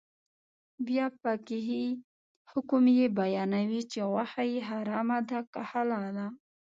بیا فقهي حکم یې بیانوي چې غوښه یې حرامه ده که حلاله.